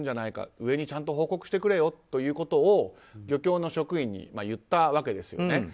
上にちゃんと報告してくれよということを漁協の職員に言ったわけですよね。